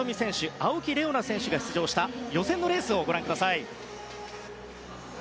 青木玲緒樹選手が出場した予選のレースをご覧ください。